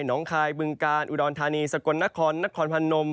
น้องคายบึงกาลอุดรธานีสกลนครนครพนม